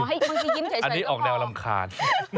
อันนี้ออกแนวรำคาญ